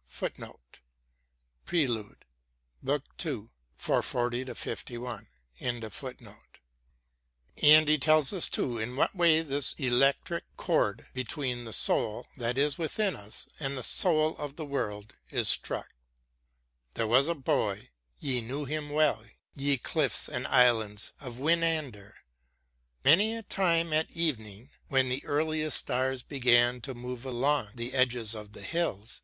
* And he tells us too in what way this electric chord between the soul that is within us and the soul of the world is struck : There was a Boy ; ye knew him well, ye cliffs And islands of Winander ! many a time, At evening, when the earliest stars began To move along the edges of the hills.